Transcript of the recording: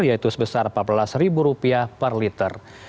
yaitu sebesar rp empat belas per liter